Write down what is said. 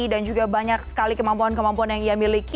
dan juga banyak sekali kemampuan kemampuan yang ia miliki